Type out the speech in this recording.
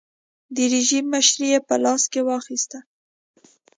د رژیم مشري یې په لاس کې واخیسته.